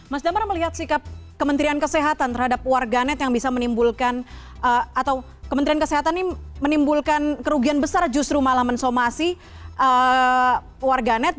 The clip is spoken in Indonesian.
mas damar melihat sikap kementerian kesehatan terhadap warganet yang bisa menimbulkan atau kementerian kesehatan ini menimbulkan kerugian besar justru malah mensomasi warganet